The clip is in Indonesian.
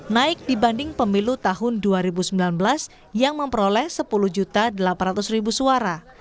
naik dibanding pemilu tahun dua ribu sembilan belas yang memperoleh sepuluh delapan ratus suara